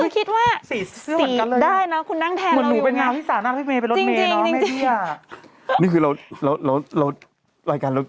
ก็คือฉันคิดว่า